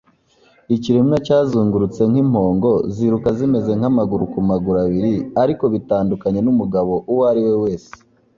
ikiremwa cyazungurutse nk'impongo, ziruka zimeze nk'amaguru ku maguru abiri, ariko bitandukanye n'umugabo uwo ari we wese